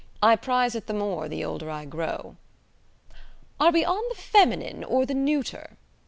I prize it the more the older I grow." "Are we on the feminine or the neuter?"